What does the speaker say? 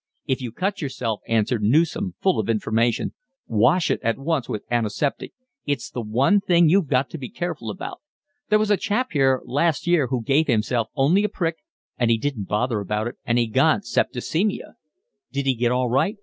"If you cut yourself," answered Newson, full of information, "wash it at once with antiseptic. It's the one thing you've got to be careful about. There was a chap here last year who gave himself only a prick, and he didn't bother about it, and he got septicaemia." "Did he get all right?"